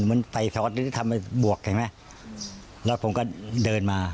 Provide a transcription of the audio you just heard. มันไฟซ็อตนี่ทำอะไรบวกอือไหมแล้วผมก็เดินมา